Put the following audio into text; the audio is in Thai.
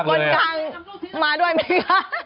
คนกลางมาด้วยไหมคะ